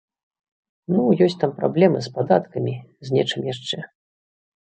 Ну ёсць там праблемы з падаткамі, з нечым яшчэ.